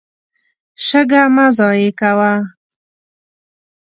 شګه مه ضایع کوه.